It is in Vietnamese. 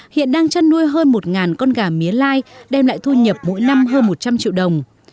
hiện đang chăn nuôi hơn một con gà mía lai đem lại thu nhập mỗi năm hơn một trăm linh triệu đồng